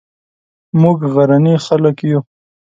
موږ غرني خلک یو